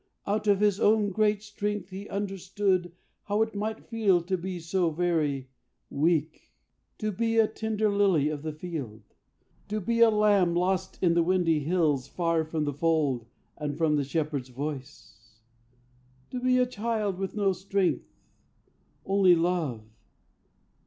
Out of his own great strength he understood How it might feel to be so very weak... To be a tender lily of the field, To be a lamb lost in the windy hills Far from the fold and from the shepherd's voice, To be a child with no strength, only love.